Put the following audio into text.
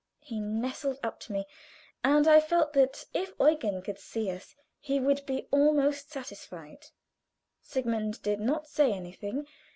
He nestled up to me, and I felt that if Eugen could see us he would be almost satisfied. Sigmund did not say anything.